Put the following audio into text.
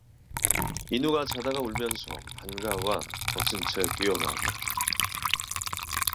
인우가 자다가 울면서 반가와 벗은 채 뛰어나왔다.